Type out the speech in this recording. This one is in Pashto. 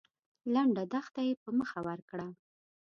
لنډه دښته يې په مخه ورکړه.